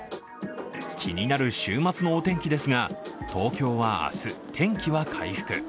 気になる週末のお天気ですが東京は明日、天気は回復。